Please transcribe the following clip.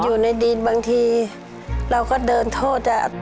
อยู่ในดินบางทีเราก็เดินโทษอ่ะ